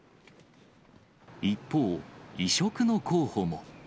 一方、異色の候補も。